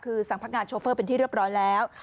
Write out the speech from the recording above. คือสั่งพักงานโชเฟอร์เป็นที่เรียบร้อยแล้ว